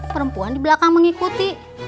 perempuan di belakang mengikuti